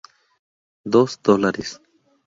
Dos dólares".